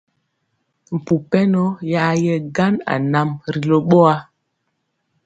Mpu pɛnɔ ya yɛ gan anam ri lo ɓowa.